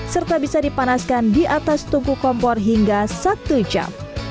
serta bisa dipanaskan di atas tungku kompor hingga satu jam